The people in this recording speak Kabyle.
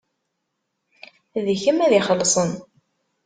D kemm ad ixellṣen.